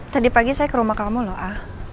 tadi pagi saya kedepan ke rumah kamu loh a